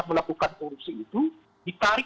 begitu mas didi